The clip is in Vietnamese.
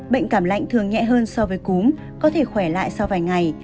bệnh cảm lạnh thường nhẹ hơn so với cúm có thể khỏe lại sau vài ngày